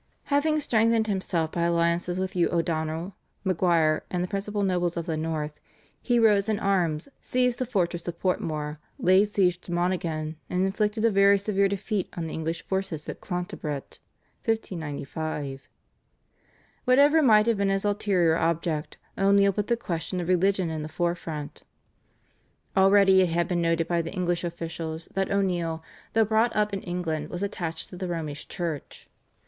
Having strengthened himself by alliances with Hugh O'Donnell, Maguire, and the principal nobles of the North, he rose in arms, seized the fortress of Portmore, laid siege to Monaghan, and inflicted a very severe defeat on the English forces at Clontibret (1595). Whatever might have been his ulterior object, O'Neill put the question of religion in the forefront. Already it had been noted by the English officials that O'Neill, though brought up in England, was attached to the "Romish Church."